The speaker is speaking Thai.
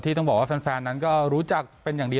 ต้องบอกว่าแฟนนั้นก็รู้จักเป็นอย่างดี